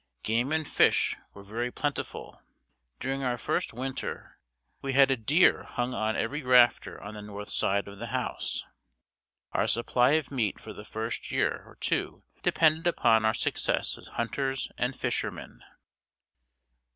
Game and fish were very plentiful. During our first winter, we had a deer hung on every rafter on the north side of the house. Our supply of meat for the first year or two depended upon our success as hunters and fishermen.